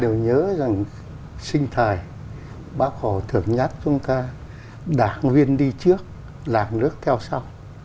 ủy viên đi trước làng nước theo sau